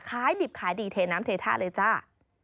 คล้ายดิบคล้ายดีเทน้ำเทธาตุเลยจ้า